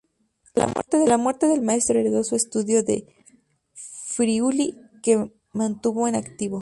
A la muerte del maestro, heredó su estudio de Friuli, que mantuvo en activo.